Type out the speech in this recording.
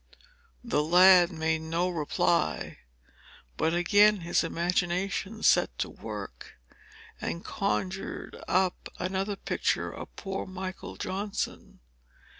The lad made no reply. But again his imagination set to work, and conjured up another picture of poor Michael Johnson.